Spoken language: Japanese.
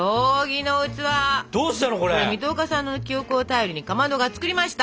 これ水戸岡さんの記憶を頼りにかまどが作りました！